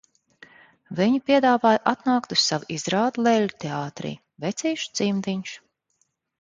Viņa piedāvāja atnākt uz savu izrādi Leļļu teātrī – "Vecīša cimdiņš".